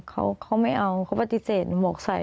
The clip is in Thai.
เขาไม่เอาเขาปฏิเสธหนูใส่